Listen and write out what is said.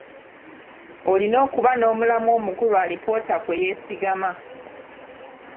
Olina okuba n’omulamwa omukulu alipoota kwe yeesigama.